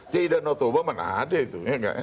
jadi danau toba mana ada itu ya nggak ya